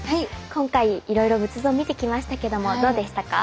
今回いろいろ仏像を見てきましたけどもどうでしたか？